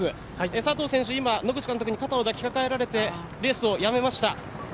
佐藤選手、今、野口監督に肩を抱きかかえられてレースをやめました。